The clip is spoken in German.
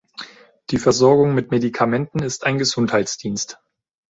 Die Versorgung mit Medikamenten ist ein Gesundheitsdienst.